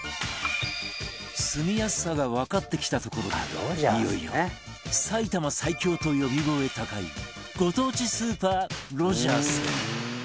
住みやすさがわかってきたところでいよいよ埼玉最強と呼び声高いご当地スーパーロヂャースへ